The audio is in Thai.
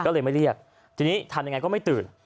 ก็เลยไม่เรียกทีนี้ทำยังไงก็ไม่ตื่น